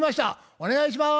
お願いします。